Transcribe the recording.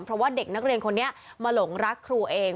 เพราะว่าเด็กนักเรียนคนนี้มาหลงรักครูเอง